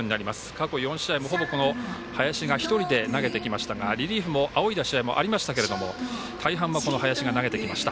過去４試合もほとんど林が投げてきましたが、リリーフも仰いだ試合もありましたけども大半、この林が投げてきました。